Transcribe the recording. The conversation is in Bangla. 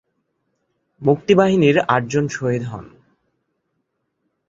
মুক্তিবাহিনীর আটজন শহীদ হন।